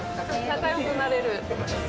仲よくなれる。